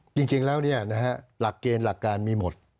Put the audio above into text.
จริงแล้วเนี่ยนะฮะหลักเกณฑ์หลักการมีหมด